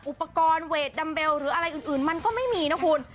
อุปกรณ์เวทดัมเบลหรืออะไรอื่นมันก็ไม่มีนะคุณ